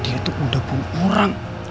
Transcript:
dia tuh udah bom kurang